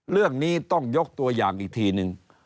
เรื่องนี้ต้องยกตัวอย่างอีกทีนึง